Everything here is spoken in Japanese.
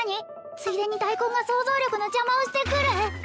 ついでに大根が想像力の邪魔をしてくる